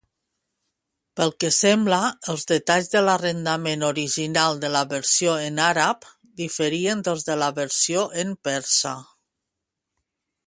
Pel que sembla, els detalls de l'arrendament original de la versió en àrab diferien dels de la versió en persa.